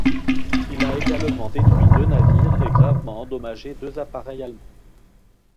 Il a également détruit deux navires et gravement endommagé deux appareils allemands.